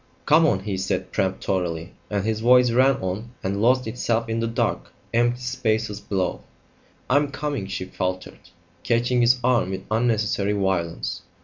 "Come on!" he said peremptorily, and his voice ran on and lost itself in the dark, empty spaces below. "I'm coming," she faltered, catching his arm with unnecessary violence.